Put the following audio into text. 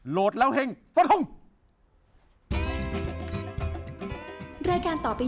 โหลดแล้วเฮ่งสวัสดีครับ